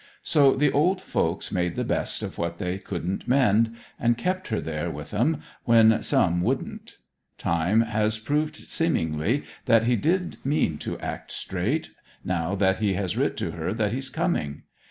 So the old folks made the best of what they couldn't mend, and kept her there with 'em, when some wouldn't. Time has proved seemingly that he did mean to act straight, now that he has writ to her that he's coming.